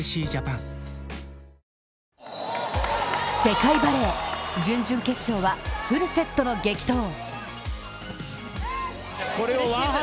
ＪＴ世界バレー、準々決勝はフルセットの激闘。